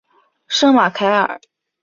圣马凯尔。